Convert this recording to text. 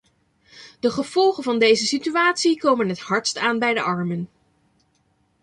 De gevolgen van deze situatie komen het hardst aan bij de armen.